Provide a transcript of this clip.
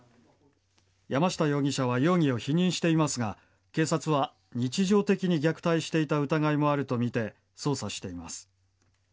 山下容疑者は容疑を否認していますが警察は日常的に虐待していた疑いもあるとみて捜査しています。